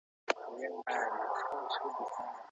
زده کړه د انسان چلند بدلوي.